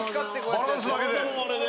バランスだけで？